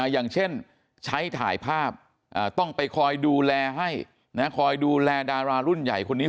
อย่างเช่นใช้ถ่ายภาพต้องไปคอยดูแลให้คอยดูแลดารารุ่นใหญ่คนนี้